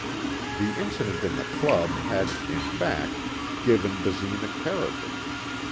The incident in the club had, in fact, given Basine a character.